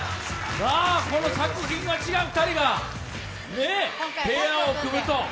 この作品が違う２人がペアを組むと。